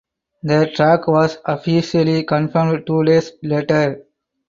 The track was officially confirmed two days later.